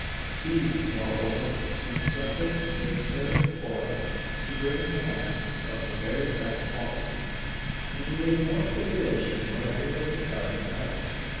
He, moreover, instructed his servant boy to bring ham of the very best quality, and he made no stipulation whatever with regard to price.